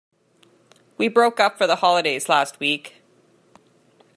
We broke up for the holidays last week